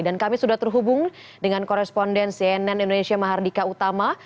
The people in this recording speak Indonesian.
dan kami sudah terhubung dengan korespondensi nn indonesia mahardika utama